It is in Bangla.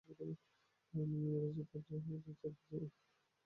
মেয়র, যিনি প্রতি চার বছর পর নির্বাচিত হন, তিনি নগর সরকারের নির্বাহী শাখার প্রধান হন।